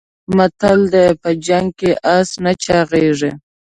متل دی: په جنګ کې اس نه چاغېږي.